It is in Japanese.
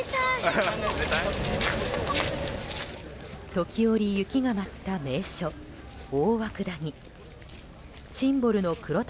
時折、雪が舞った名所・大涌谷。